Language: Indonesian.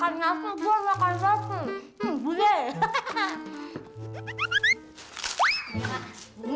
asal lo tau aja nih peh